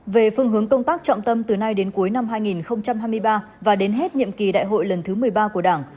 về phương hướng công tác trọng tâm từ nay đến cuối năm hai nghìn hai mươi ba và đến hết nhiệm kỳ đại hội lần thứ một mươi ba của đảng